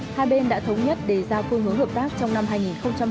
hai bên đã thống nhất đề ra phương hướng hợp tác trong năm hai nghìn hai mươi